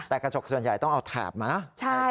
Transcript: แต่กระจกส่วนใหญ่ต้องเอาแถบมานะ